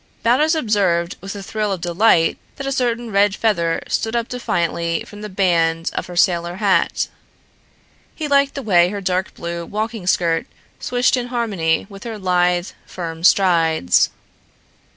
Baldos observed with a thrill of delight that a certain red feather stood up defiantly from the band of her sailor hat. He liked the way her dark blue walking skirt swished in harmony with her lithe, firm strides.